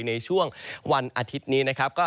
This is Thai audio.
ในช่วงวันอาทิตย์นี้นะครับ